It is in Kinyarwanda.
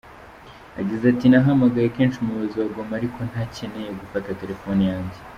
Yagize ati “Nahamagaye kenshi umuyobozi wa Goma ariko ntakeneye gufata telefoni yanjye.